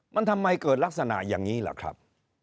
มันทำไมเกิดลักษณะอย่างนี้ล่ะครับ